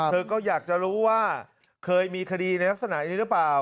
เธอก็อยากจะรู้ว่าเคยมีคดีในลักษณะนี้หรือเปล่า